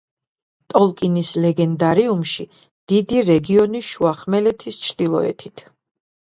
ტოლკინის ლეგენდარიუმში დიდი რეგიონი შუახმელეთის ჩრდილოეთით.